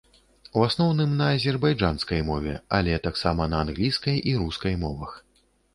У асноўным на азербайджанскай мове, але таксама на англійскай і рускай мовах.